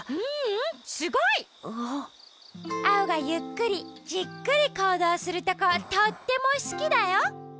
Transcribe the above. ううんすごい！アオがゆっくりじっくりこうどうするとことってもすきだよ。